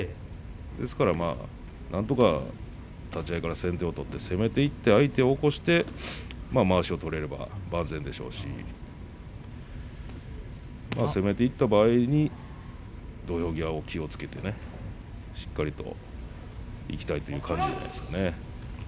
ですからなんとか立ち合いから先手を取って攻めていって相手を起こしてまわしを取れれば万全でしょうしまあ、攻めていった場合に土俵際気をつけてねしっかりといきたいという感じじゃないですかね。